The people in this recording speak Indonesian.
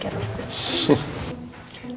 terus terus terus